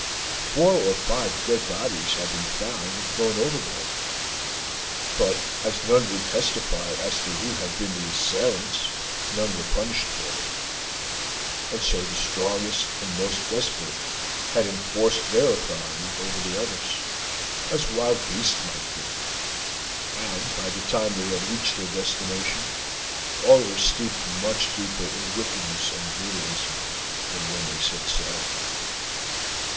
Four or five dead bodies had been found and thrown overboard, but as none would testify as to who had been the assailants none were punished for it; and so the strongest and most desperate had enforced their authority over the others, as wild beasts might do, and by the time they had reached their destination all were steeped much deeper in wickedness and brutalism than when they set sail.